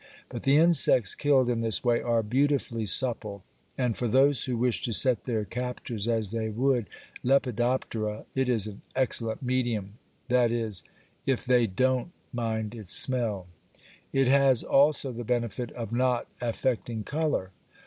But the insects killed in this way are beautifully supple, and, for those who wish to set their captures as they would Lepidoptera, it is an excellent medium, i.e. if they don't mind its smell; it has also the benefit of not affecting colour.